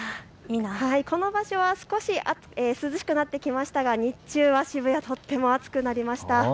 この場所は少し涼しくなってきましたが日中は渋谷とても暑くなりました。